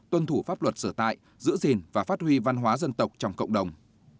tuân thủ pháp luật sở tại giữ gìn và phát huy văn hóa dân tộc trong cộng đồng